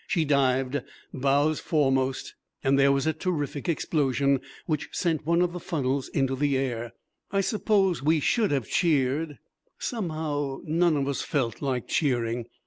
She dived bows foremost, and there was a terrific explosion, which sent one of the funnels into the air. I suppose we should have cheered somehow, none of us felt like cheering.